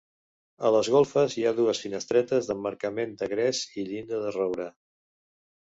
A les golfes hi ha dues finestretes d'emmarcament de gres i llinda de roure.